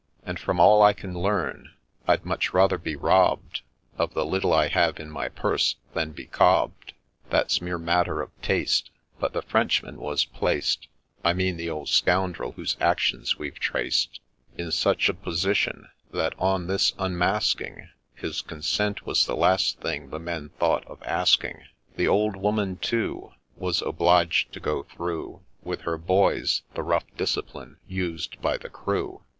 And, from all I can learn, I'd much rather be robb'd Of the little I have in my purse, than be ' cobb'd ;'— That 's mere matter of taste : But the Frenchman was plac'd — I mean the old scoundrel whose actions we've traced — In such a position, that, on this unmasking, His consent was the last thing the men thought of asking. The old woman, too, Was obliged to go through, With her boys, the rough discipline used by the crew, 208 MR.